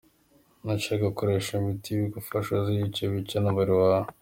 Nushaka gukoresha imiti ibigufasha uziyica wice n’umubiri wawe.